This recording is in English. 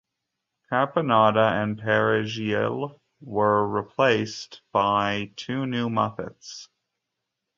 Caponata and Perezjil were replaced by two new Muppets.